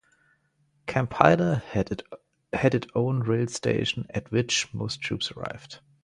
Camp Hyder had it own rail station at which most troops arrived.